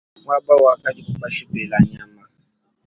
Muaba wakadibu bashipela nyama.